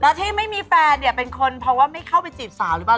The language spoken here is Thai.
แล้วที่ไม่มีแฟนเนี่ยเป็นคนเพราะว่าไม่เข้าไปจีบสาวหรือเปล่า